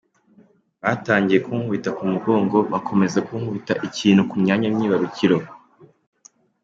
Batangiye kunkubita mu mugongo, bakomeza kunkubita ikintu ku myanya myibarukiro.